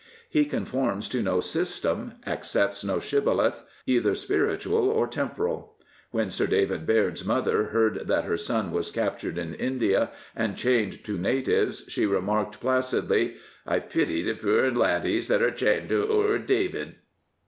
He conforms to no system, accepts no shibboleth, either spiritual or temporal. When Sir Bail'd Baird's mother heard that her son was captured in India and chained to natives, she remarked, placidly, I pity the puir laddies that are chained to'^or Dauvit."